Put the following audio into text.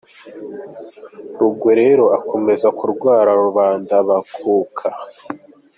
Rugwe rero akomeza kurwara, rubanda bakuka